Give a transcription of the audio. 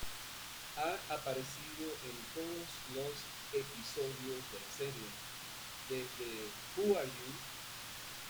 Ha aparecido en todos los episodios de la serie, desde "Who are you?